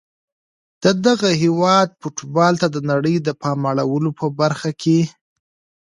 د دغه هیواد فوټبال ته د نړۍ د پام اړولو په برخه کي